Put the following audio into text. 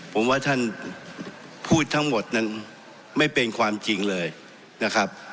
ผมว่าท่านพูดทั้งหมดนั้นไม่เป็นความจริงเลยนะครับ